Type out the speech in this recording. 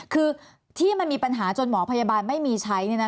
คือที่มันมีปัญหาจนหมอพยาบาลไม่มีใช้